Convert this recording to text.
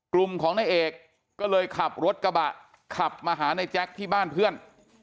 กลุ่มของนายเอกก็เลยขับรถกระบะขับมาหาในแจ๊คที่บ้านเพื่อน